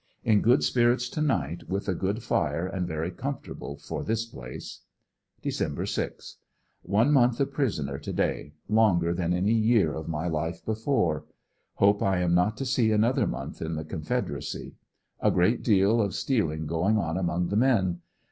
In good spirits to night with a good fire and very comfortable for this place, Dec. 6. — One month a prisoner to day — longer than any year of my life before. Hope I am not to see another month in the Con federacy. A great deal of stealinj,^ going on among the men.